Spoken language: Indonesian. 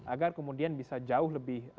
agar kemudian bisa jauh lebih